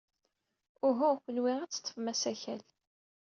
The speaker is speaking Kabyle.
Uhu, kenwi ad teḍḍfem asakal.